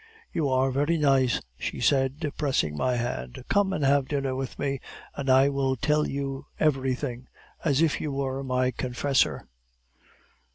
"'You are very nice,' she said, pressing my hand. 'Come and have dinner with me, and I will tell you everything, as if you were my confessor.